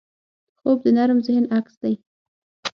خوب د نرم ذهن عکس دی